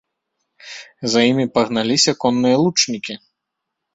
За імі пагналіся конныя лучнікі.